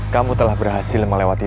kamu telah berhasil melewati